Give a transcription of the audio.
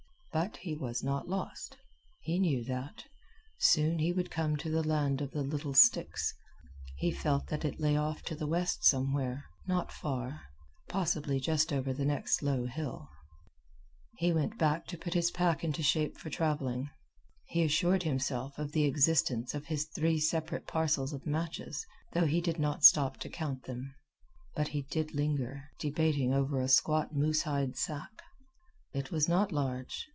But he was not lost. He knew that. Soon he would come to the land of the little sticks. He felt that it lay off to the left somewhere, not far possibly just over the next low hill. He went back to put his pack into shape for travelling. He assured himself of the existence of his three separate parcels of matches, though he did not stop to count them. But he did linger, debating, over a squat moose hide sack. It was not large.